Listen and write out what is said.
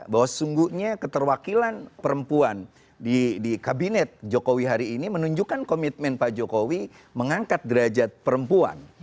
bahwa sungguhnya keterwakilan perempuan di kabinet jokowi hari ini menunjukkan komitmen pak jokowi mengangkat derajat perempuan